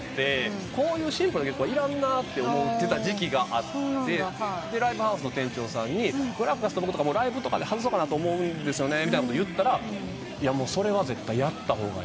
こういうシンプルな曲はいらんなって思ってた時期があってライブハウスの店長さんに『クラーク博士と僕』ライブとかで外そうかなと思うんですよねって言ったら「それは絶対やった方がいい。